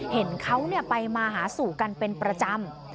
เห็นเขาไปมาหาสู่กันเป็นประจำ